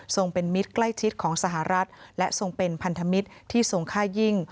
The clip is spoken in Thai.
เป็นมิตรใกล้ชิดของสหรัฐและทรงเป็นพันธมิตรที่ทรงค่ายิ่ง